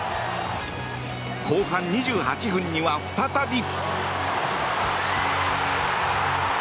後半２８分には再び。